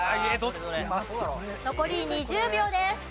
残り２０秒です。